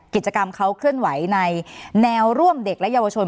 กิจกรรมเขาเคลื่อนไหวในแนวร่วมเด็กและเยาวชน